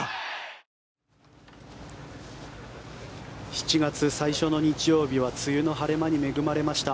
７月最初の日曜日は梅雨の晴れ間に恵まれました。